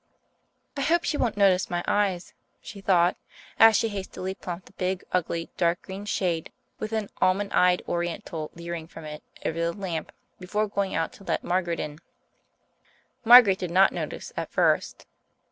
"I hope she won't notice my eyes," she thought, as she hastily plumped a big ugly dark green shade, with an almond eyed oriental leering from it, over the lamp, before going out to let Margaret in. Margaret did not notice at first.